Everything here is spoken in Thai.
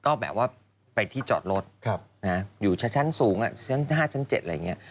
ก็แบบว่าไปที่จอดรถอยู่ชั้นสูงชั้น๕ชั้น๗อะไรอย่างนี้